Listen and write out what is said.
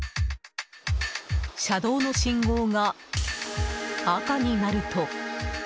車道の信号が赤になると。